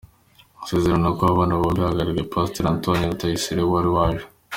gusezerana kwaba bombi, hagaragaye Pasiteri Antoine Rutayisire wari waje.